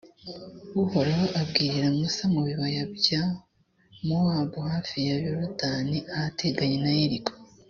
uhoraho abwirira musa mu bibaya bya mowabu hafi ya yorudani ahateganye na yeriko